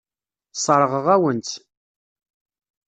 Sseṛɣeɣ-awen-tt.